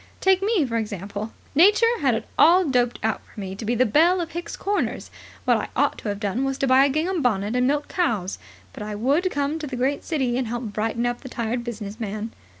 Take me, for example. Nature had it all doped out for me to be the Belle of Hicks Corners. What I ought to have done was to buy a gingham bonnet and milk cows. But I would come to the great city and help brighten up the tired business man."